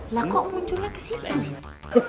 lah kok munculnya kesitu